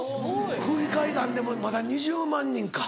空気階段でもまだ２０万人か。